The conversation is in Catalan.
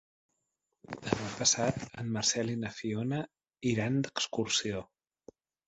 Demà passat en Marcel i na Fiona iran d'excursió.